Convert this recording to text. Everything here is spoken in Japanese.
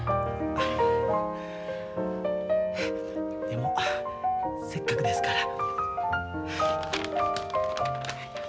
でもせっかくですから。